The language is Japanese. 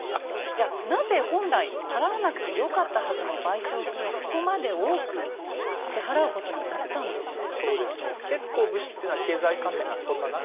じゃなぜ本来払わなくてよかったはずの賠償金をここまで多く支払うことになったんでしょうか？